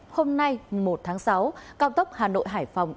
hôm nay một tháng sáu cao tốc hà nội hải phòng